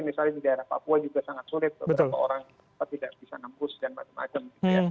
misalnya di daerah papua juga sangat sulit beberapa orang tidak bisa nembus dan macam macam gitu ya